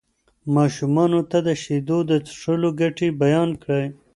ماشومانو ته د شیدو د څښلو ګټې بیان کړئ.